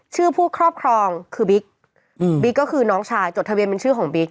ผู้ครอบครองคือบิ๊กบิ๊กก็คือน้องชายจดทะเบียนเป็นชื่อของบิ๊ก